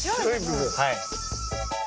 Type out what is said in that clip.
はい。